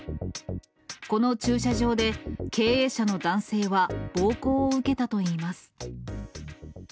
この駐車場で、経営者の男性は暴行を受けたといいます。